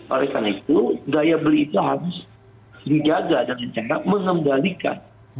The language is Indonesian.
oleh karena itu daya beli itu harus dijaga dan mencegah mengembalikan